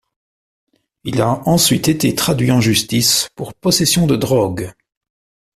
Il a ensuite été traduit en justice pour possession de drogue.